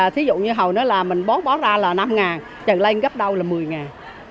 thí dụ như hồi đó là mình bóp bóp ra là năm ngàn trần lanh gấp đâu là một mươi ngàn